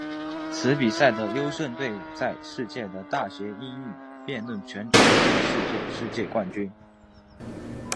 此比赛的优胜队伍在世界的大学英语辩论圈中被视作世界冠军。